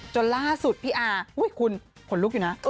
จนล่าสุดพี่อาคุณขนลุกอยู่นะ